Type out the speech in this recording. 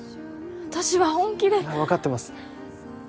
私は本気で分かってます